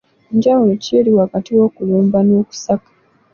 Njawulo ki eri wakati w’okulomba n'okusaka?